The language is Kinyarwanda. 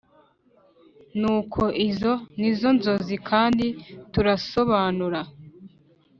Nuko izo ni zo nzozi kandi turasobanura